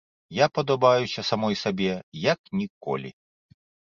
Я падабаюся самой сабе як ніколі.